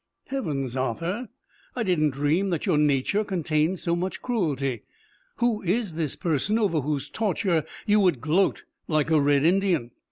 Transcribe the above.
"Heavens, Arthur! I didn't dream that your nature contained so much cruelty! Who is this person over whose torture you would gloat like a red Indian?"